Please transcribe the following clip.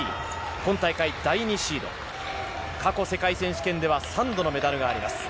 今大会第２シード、過去世界選手権では３度のメダルがあります。